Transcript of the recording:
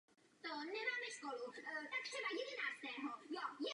Obecní úřad se nachází v centru části Brusnice.